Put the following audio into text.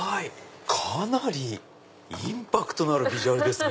かなりインパクトのあるビジュアルですね。